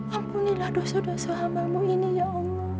ampunilah dosa dosa hamamu ini ya allah